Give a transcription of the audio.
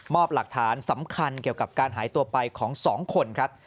หลักฐานสำคัญเกี่ยวกับการหายตัวไปของ๒คนครับ